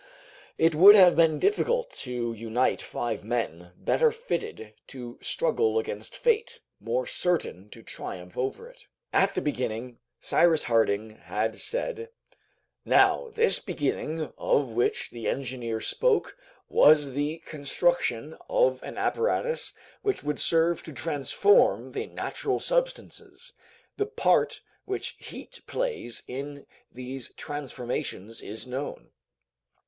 It would have been difficult to unite five men, better fitted to struggle against fate, more certain to triumph over it. "At the beginning," Cyrus Harding had said. Now this beginning of which the engineer spoke was the construction of an apparatus which would serve to transform the natural substances. The part which heat plays in these transformations is known.